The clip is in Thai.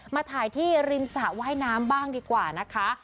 มาถ่ายที่ริมสระว่ายน้ำบ้างดีกว่านะคะ